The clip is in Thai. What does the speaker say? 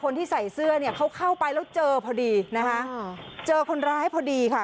คนที่ใส่เสื้อเนี่ยเขาเข้าไปแล้วเจอพอดีนะคะเจอคนร้ายพอดีค่ะ